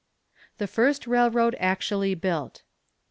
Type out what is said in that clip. THE FIRST RAILROAD ACTUALLY BUILT.